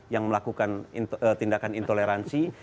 yang melakukan tindakan intoleransi